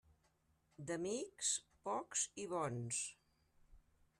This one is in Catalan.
D'amics, pocs i bons.